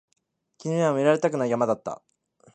君には見られたくない山だった